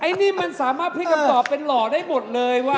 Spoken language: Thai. ไอ้นี่มันสามารถพักกับต่อเป็นหล่อได้หมดเลยว่ะ